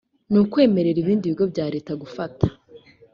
nukwemerera ibindi bigo bya leta gufata.